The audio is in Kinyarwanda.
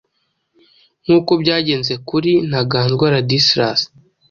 nk’uko byagenze kuri Ntaganzwa Ladislas,